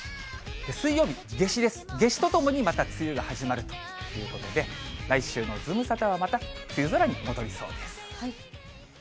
水曜日、夏至です、夏至とともにまた梅雨が始まるということで、来週のズムサタはまた梅雨空に戻りそうです。